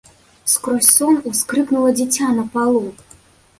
Скрозь сон ускрыкнула дзіця на палу.